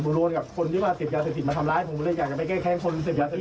ผมโดนกับคนที่ว่าเสพยาเสพติดมาทำร้ายผมเลยอยากจะไปแก้แค้งคนเสพยาเสพติด